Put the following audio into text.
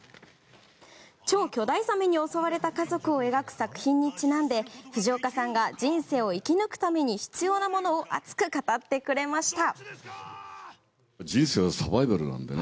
超巨大ザメに襲われた家族を描く作品にちなんで藤岡さんが、人生を生き抜くために必要なものを熱く語ってくれました。